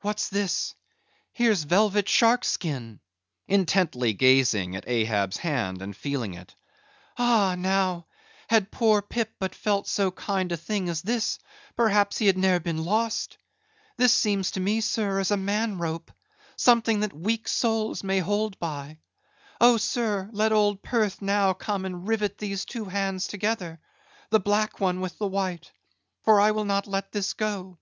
"What's this? here's velvet shark skin," intently gazing at Ahab's hand, and feeling it. "Ah, now, had poor Pip but felt so kind a thing as this, perhaps he had ne'er been lost! This seems to me, sir, as a man rope; something that weak souls may hold by. Oh, sir, let old Perth now come and rivet these two hands together; the black one with the white, for I will not let this go."